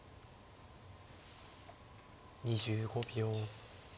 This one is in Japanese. ２５秒。